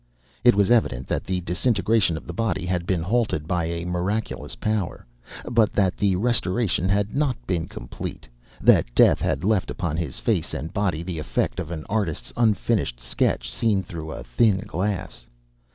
It was evident that the disintegration of the body had been halted by a miraculous power, but that the restoration had not been complete; that death had left upon his face and body the effect of an artist's unfinished sketch seen through a thin glass.